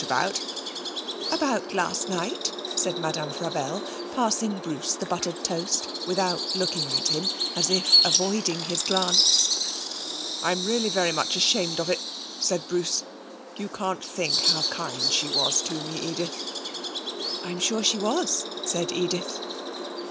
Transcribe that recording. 'About last night,' said Madame Frabelle, passing Bruce the buttered toast without looking at him, as if avoiding his glance. 'I'm really very much ashamed of it,' said Bruce. 'You can't think how kind she was to me, Edith.' 'I'm sure she was,' said Edith.